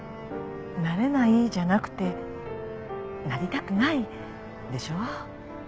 「なれない」じゃなくて「なりたくない」でしょ？